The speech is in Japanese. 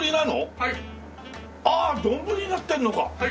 はい。ああ丼になってんのか！